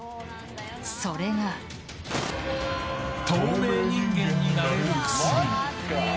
それが、透明人間になれる薬！